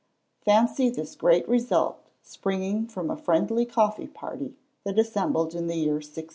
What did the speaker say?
Fancy this great result springing from a "friendly coffee party" that assembled in the year 1652.